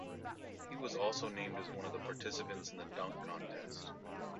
He was also named as one of the participants in the dunk contest.